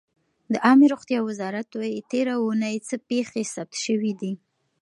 د عامې روغتیا وزارت وایي تېره اوونۍ څه پېښې ثبت شوې دي.